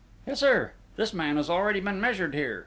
"Yes, sir. This man has already been measured here.